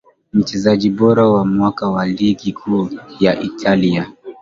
Mchezaji bora wa mwaka wa ligi kuu ya Italia